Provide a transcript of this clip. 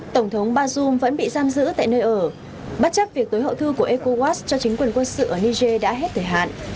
tổng thống bazoum vẫn bị giam giữ tại nơi ở bất chấp việc tối hậu thư của ecowas cho chính quyền quân sự ở niger đã hết thời hạn